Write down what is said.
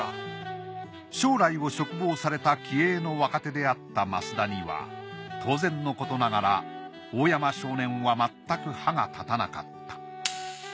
将来を嘱望された気鋭の若手であった升田には当然のことながら大山少年はまったく歯が立たなかった。